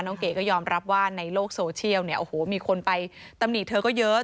เก๋ก็ยอมรับว่าในโลกโซเชียลเนี่ยโอ้โหมีคนไปตำหนิเธอก็เยอะ